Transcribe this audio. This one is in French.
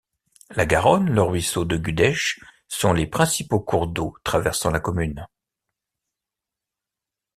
La Garonne, le Ruisseau de Gudech sont les principaux cours d'eau traversant la commune.